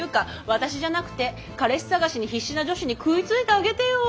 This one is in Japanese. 私じゃなくて彼氏探しに必死な女子に食いついてあげてよ。